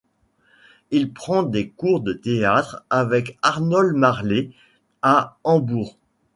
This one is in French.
Il prend des cours de théâtre avec Arnold Marlé à Hambourg.